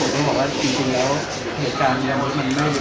ที่เกื้อกริมให้มีที่